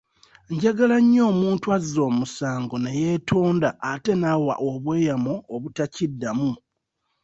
Njagala nnyo omuntu azza omusango ne yeetonda ate n'awa obweyamo obutakiddamu.